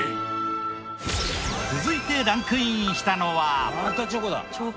続いてランクインしたのは。